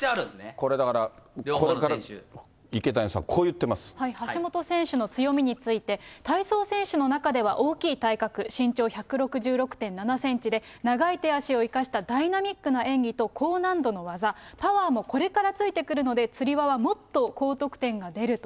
これだから、これから、橋本選手の強みについて、体操選手の中では大きい体格、身長１６６．７センチで、長い手足を生かしたダイナミックな演技と高難度の技、パワーもこれからついてくるので、つり輪はもっと高得点が出ると。